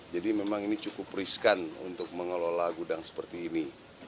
jadi memang ini cukup riskan untuk mengelola gudang seperti ini